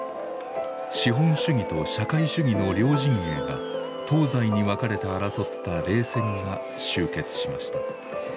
資本主義と社会主義の両陣営が東西に分かれて争った冷戦が終結しました。